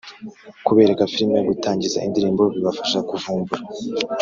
Kubereka filimi gutangiza indirimbo bibafasha kuvumbura